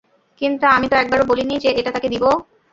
কিন্তু আমি তো একবারও বলি নি যে এটা তাকে দিবো।